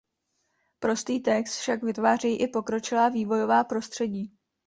Prostý text však vytvářejí i pokročilá vývojová prostředí.